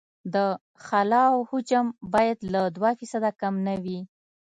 د خلا حجم باید له دوه فیصده کم نه وي